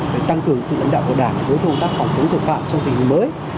về tăng cường sự lãnh đạo của đảng với công tác phòng chống tội phạm trong tình hình mới